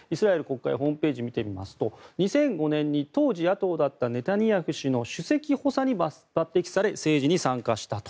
ホームページを見ると２００５年に当時野党だったネタニヤフ氏の首席補佐に抜てきされ、政治に参加したと。